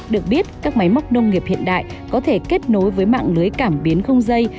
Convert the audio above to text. được biết các máy móc nông nghiệp hiện đại có thể kết nối với mạng lưới cảm biến không dây